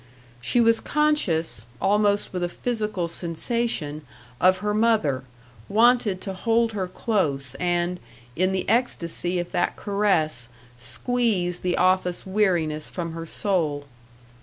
She was conscious, almost with a physical sensation, of her mother; wanted to hold her close and, in the ecstasy of that caress, squeeze the office weariness from her soul.